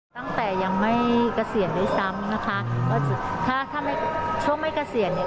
ตั้งแต่ยังไม่เกษียณด้วยซ้ำนะคะว่าถ้าถ้าไม่ช่วงไม่เกษียณเนี่ย